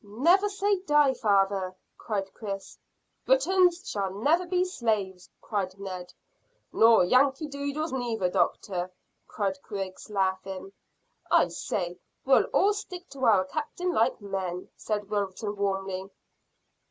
"Never say die, father," cried Chris. "Britons never shall be slaves," cried Ned. "Nor Yankee Doodles neither, doctor," cried Griggs, laughing. "I say we'll all stick to our captain like men," said Wilton warmly.